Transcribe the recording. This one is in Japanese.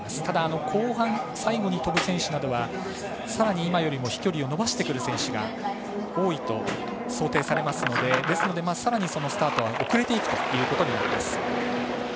ただ後半、最後に飛ぶ選手などはさらに今よりも飛距離を伸ばしてくる選手が多いと想定されますのでですので、さらにそのスタートは遅れていくということになります。